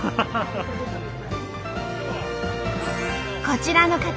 こちらの方